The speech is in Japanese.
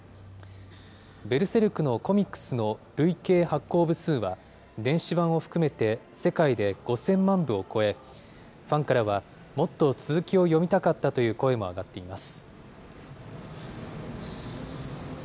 ベルセルクのコミックスの累計発行部数は、電子版を含めて世界で５０００万部を超え、ファンからはもっと続きを読みたかったという声も上がっています。